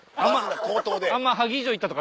口頭で。